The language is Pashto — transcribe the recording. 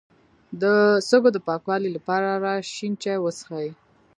د سږو د پاکوالي لپاره شین چای وڅښئ